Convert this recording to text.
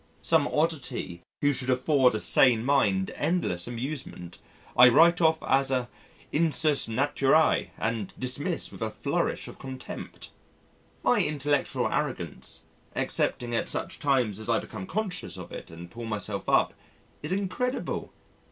Some oddity who should afford a sane mind endless amusement, I write off as a Insus naturæ and dismiss with a flourish of contempt. My intellectual arrogance excepting at such times as I become conscious of it and pull myself up is incredible.